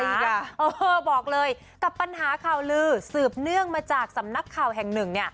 เออบอกเลยกับปัญหาข่าวลือสืบเนื่องมาจากสำนักข่าวแห่งหนึ่ง